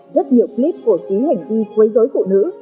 rất nhiều clip cổ suý hành vi quấy dối phụ nữ